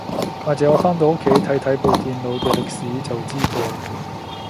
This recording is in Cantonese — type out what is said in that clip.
或者我返到屋企睇睇部電腦嘅歷史就知道